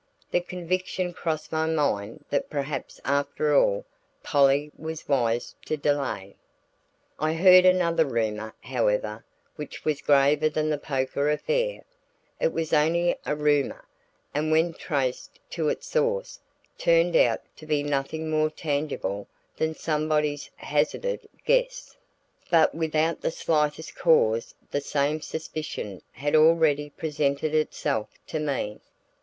The conviction crossed my mind that perhaps after all Polly was wise to delay. I heard another rumor however which was graver than the poker affair; it was only a rumor, and when traced to its source turned out to be nothing more tangible than somebody's hazarded guess, but without the slightest cause the same suspicion had already presented itself to me.